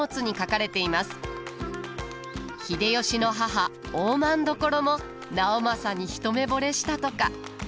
秀吉の母大政所も直政に一目ぼれしたとか。